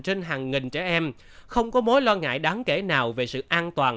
trên hàng nghìn trẻ em không có mối lo ngại đáng kể nào về sự an toàn